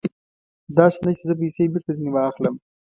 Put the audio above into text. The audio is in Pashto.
داسې نه چې زه پیسې بېرته ځنې واخلم.